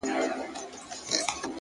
پوهه د انسان ارزښت څو برابره کوي,